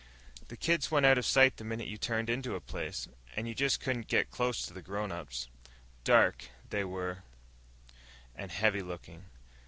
The kids went out of sight the minute you turned into a place. And you just couldn't get close to the grown ups. Dark, they were, and heavy looking.